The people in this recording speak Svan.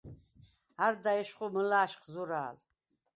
არდა ეშხუ მჷლა̄შხ ზურა̄ლ.